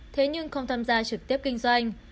thế nhưng không tham gia trực tiếp kinh doanh